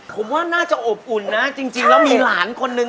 ผมว่าน่าจะอบอุ่นนะจริงแล้วมีหลานคนนึง